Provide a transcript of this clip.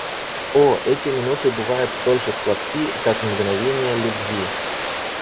О, эти минуты бывают столь же сладки, как мгновения любви!